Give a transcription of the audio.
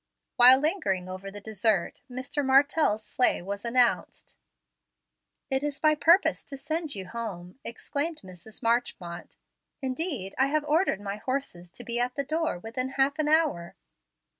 While lingering over the dessert, Mr. Martell's sleigh was announced. "It as my purpose to send you home," exclaimed Mrs. Marchmont. "Indeed, I had ordered my horses to be at the door within half an hour."